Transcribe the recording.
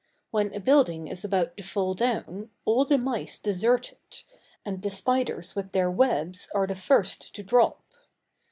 When a building is about to fall down, all the mice desert it, and the spiders with their webs are the first to drop.